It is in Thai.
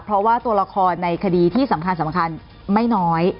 เพราะว่าตัวละครในคดีที่สำคัญไม่น้อย